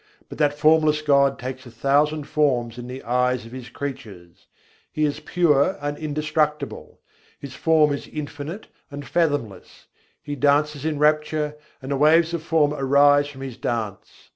But that formless God takes a thousand forms in the eyes of His creatures: He is pure and indestructible, His form is infinite and fathomless, He dances in rapture, and waves of form arise from His dance.